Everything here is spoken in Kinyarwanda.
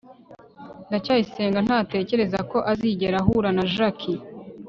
ndacyayisenga ntatekereza ko azigera ahura na jaki